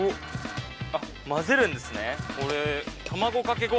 あっ混ぜるんですね。